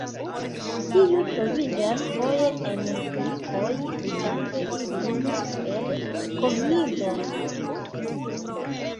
Tiu troviĝas foje en filikoj, uzante ilin kiel kovrilo.